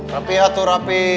rapinya tuh update pagi